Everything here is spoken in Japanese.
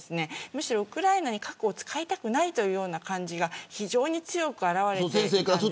むしろウクライナに核を使いたくない感じが非常に強く表れています。